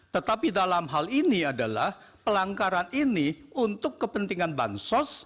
tetapi dalam hal ini adalah pelanggaran ini untuk kepentingan bansos